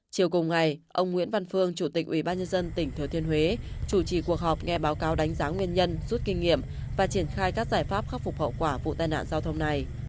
chiều cùng ngày ông nguyễn văn phương chủ tịch ubnd tỉnh thừa thiên huế chủ trì cuộc họp nghe báo cáo đánh giá nguyên nhân rút kinh nghiệm và triển khai các giải pháp khắc phục hậu quả vụ tai nạn giao thông này